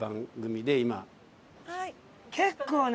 結構ね。